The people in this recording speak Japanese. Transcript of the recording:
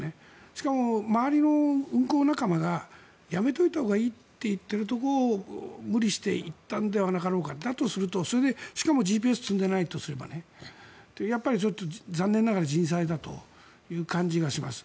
しかも、周りの運航仲間がやめておいたほうがいいと言っているところを無理して行ったのではなかろうかだとすると、しかもＧＰＳを積んでいないとすればやっぱりちょっと残念ながら人災だという感じがします。